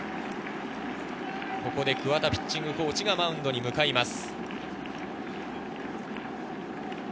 ここで桑田ピッチングコーチがマウンドに向かいます。